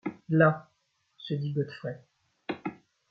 Là !... se dit Godfrey.